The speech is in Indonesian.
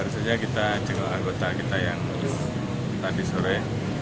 barus saja kita jenguk anggota kita yang tadi sore